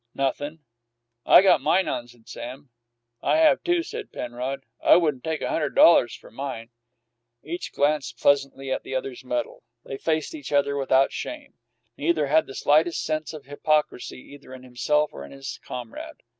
"Nothin'." "I got mine on," said Sam. "I have, too," said Penrod. "I wouldn't take a hundred dollars for mine." Each glanced pleasantly at the other's medal. They faced each other without shame. Neither had the slightest sense of hypocrisy either in himself or in his comrade.